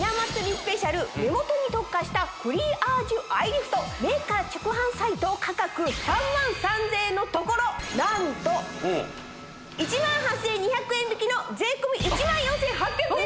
スペシャル目元に特化したメーカー直販サイト価格３万３０００円のところ何と１万８２００円引きの税込み１万４８００円